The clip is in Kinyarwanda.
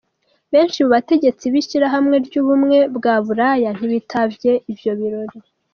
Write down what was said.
Benshi mu bategetsi b'ishirahamwe ry'ubumwe bwa Buraya ntibitavye ivyo birori.